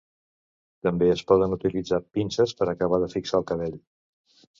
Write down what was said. També es poden utilitzar pinces per acabar de fixar el cabell.